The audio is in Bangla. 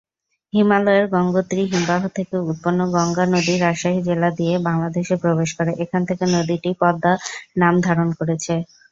হিমালয়ের গঙ্গোত্রী হিমবাহ থেকে উৎপন্ন গঙ্গা নদী রাজশাহী জেলা দিয়ে বাংলাদেশে প্রবেশ করে, এখান থেকে নদীটি পদ্মা নাম ধারণ করেছে।